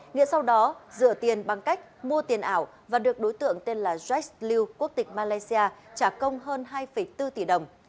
nghĩa sau đó rửa tiền bằng cách mua tiền ảo và được đối tượng tên là jack lew quốc tịch malaysia trả công hơn hai bốn tỷ đồng